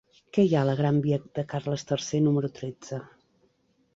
Què hi ha a la gran via de Carles III número tretze?